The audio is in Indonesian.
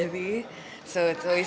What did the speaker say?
jadi itu memang menarik